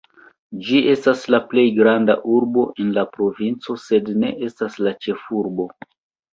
Ĝi estas la plej granda urbo en la provinco sed ne estas la ĉefurbo.